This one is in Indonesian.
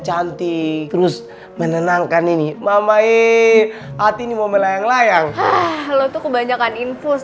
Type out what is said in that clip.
cantik terus menenangkan ini mama e ati mau melayang layang lo tuh kebanyakan infus